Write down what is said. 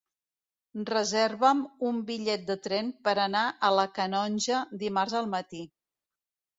Reserva'm un bitllet de tren per anar a la Canonja dimarts al matí.